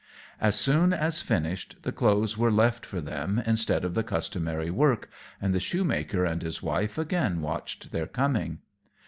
As soon as finished, the clothes were left for them instead of the customary work, and the shoemaker and his wife again watched their coming.